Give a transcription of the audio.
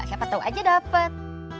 siapa tau aja dapet